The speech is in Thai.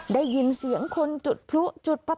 ได้ยินเสียงคนจุดพลุจุดประท